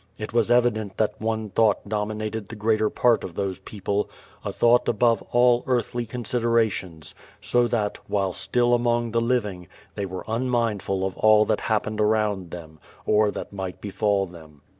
It was evident that one thought dominated the greater part of those people — ^a thought above all earthly considerations, so that, while still among the living, they were unmindful of all that happened around them, or that might befall them.